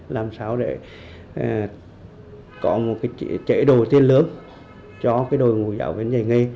làm sao để có một chế độ tiên lớp cho đội ngũ giáo viên giải nghề